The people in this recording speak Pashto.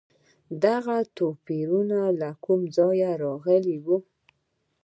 دغه توپیرونه له کوم ځایه راغلي وو؟